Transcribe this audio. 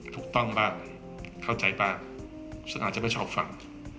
ถูกต้องบ้างเข้าใจบ้างซึ่งอาจจะไม่ชอบฟัง